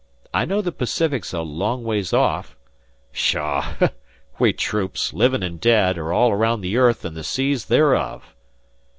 I know the Pacific's a long ways off " "Pshaw! We Troops, livin' an' dead, are all around the earth an' the seas thereof."